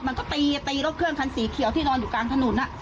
มันก็ตีตีรถเครื่องคันสีเขียวที่นอนอยู่กลางถนน